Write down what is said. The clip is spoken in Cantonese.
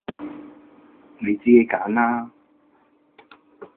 你自己揀啦